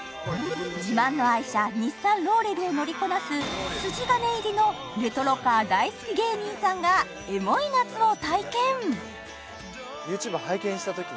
自慢の愛車日産ローレルを乗りこなす筋金入りのレトロカー大好き芸人さんがエモい夏を体験